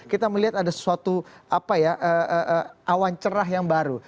kita melihat ada sesuatu awan cerah yang baru